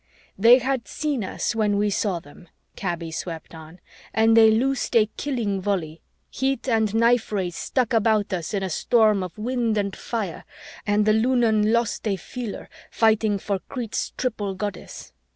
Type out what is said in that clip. "They had seen us when we saw them," Kaby swept on, "and they loosed a killing volley. Heat and knife rays struck about us in a storm of wind and fire, and the Lunan lost a feeler, fighting for Crete's Triple Goddess.